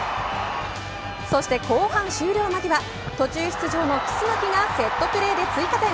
そして後半終了間際途中出場の楠がセットプレーで追加点。